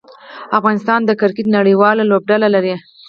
افغانستان د کرکټ نړۍواله لوبډله لري.